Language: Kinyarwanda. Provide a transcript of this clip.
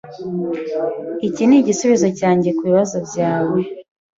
Iki ni igisubizo cyanjye kubibazo byawe.